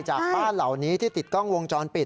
ช่องค้อผู้จองบทมันหล่านี้ที่ติดกล้องวงจรปิด